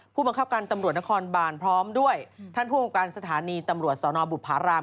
ผู้บังคับการตำรวจนครบานพร้อมด้วยท่านผู้องค์การสถานีตำรวจสนบุภาราม